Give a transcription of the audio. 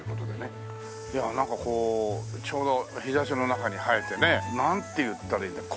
いやあなんかこうちょうど日差しの中に映えてねなんて言ったらいいんだろう